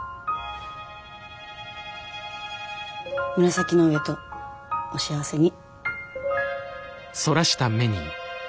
紫の上とお幸せに。